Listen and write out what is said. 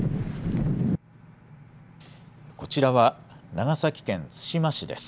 こちらは長崎県対馬市です。